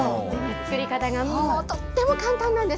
作り方がとっても簡単なんです。